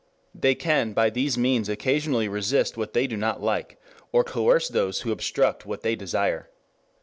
They can by these means occasionally resist what they do not like, or coerce those who obstruct what they desire.